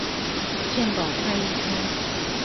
健保快易通